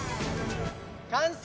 完成！